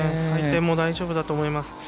回転も大丈夫だと思います。